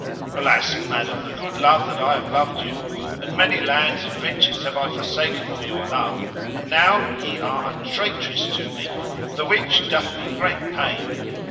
Alas, Madam, the good love that I have loved you; and many lands and riches have I forsaken for your love, and now ye are a traitress to me, the which doth me great pain.